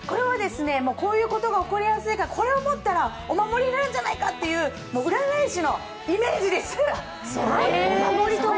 こういうことが起こりやすいから、これを持ったらお守りになるんじゃないかという占い師のイメージです。